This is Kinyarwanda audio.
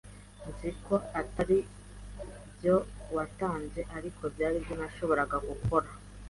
Nzi ko atari byo watanze, ariko byari byose nashoboraga gukora.